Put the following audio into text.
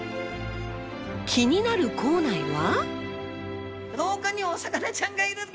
気になる校内は。